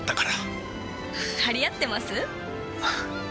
張り合ってます？